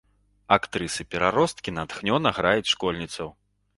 Актрысы-пераросткі натхнёна граюць школьніцаў.